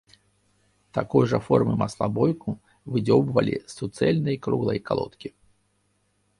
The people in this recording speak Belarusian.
Такой жа формы маслабойку выдзёўбвалі з суцэльнай круглай калодкі.